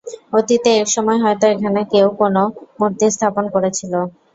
অতীতে এক সময় হয়ত এখানে কেউ কোন মূর্তি স্থাপন করেছিল।